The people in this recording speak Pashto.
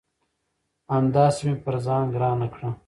همداسي مې پر ځان ګرانه کړه